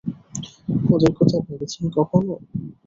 ওদের কথা ভেবেছেন কখনো?